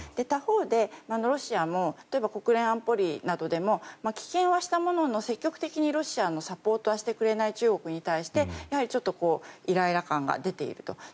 他方で、ロシアも国連安保理などでも棄権はしたものの、積極的にロシアのサポートをしてくれない中国に対してイライラ感が出ていると。